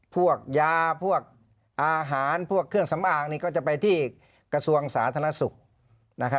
พวกยาพวกอาหารพวกเครื่องสำอางนี่ก็จะไปที่กระทรวงสาธารณสุข